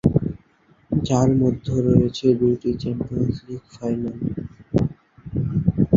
যার মধ্য রয়েছে দুইটি চ্যাম্পিয়ন্স লীগ ফাইনাল।